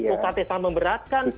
ukt sangat memberatkan